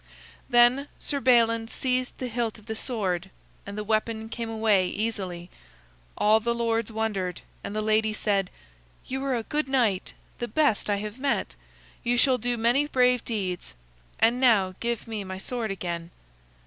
Then Sir Balin seized the hilt of the sword, and the weapon came away easily. All the lords wondered, and the lady said: "You are a good knight, the best I have met. You shall do many brave deeds. And now, give me my sword again."